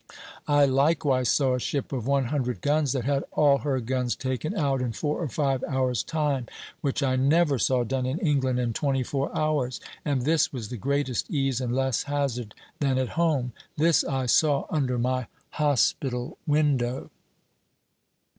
I likewise saw a ship of one hundred guns that had all her guns taken out in four or five hours' time; which I never saw done in England in twenty four hours, and this with the greatest ease and less hazard than at home. This I saw under my hospital window."